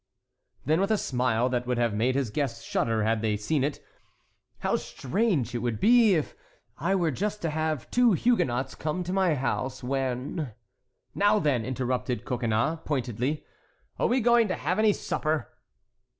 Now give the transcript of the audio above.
Then, with a smile that would have made his guests shudder had they seen it: "How strange it would be if I were just to have two Huguenots come to my house, when"— "Now, then," interrupted Coconnas, pointedly, "are we going to have any supper?"